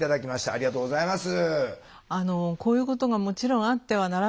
ありがとうございます。